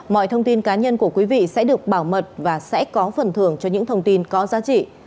mọi thông tin cá nhân của quý vị sẽ được bảo mật và sẽ có phần thưởng cho những thông tin có giá trị